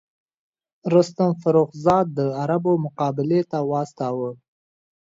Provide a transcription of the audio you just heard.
رستم فرُخ زاد د عربو مقابلې ته واستاوه.